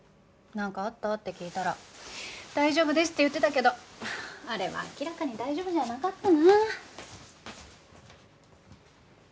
「なんかあった？」って聞いたら「大丈夫です」って言ってたけどあれは明らかに大丈夫じゃなかったな。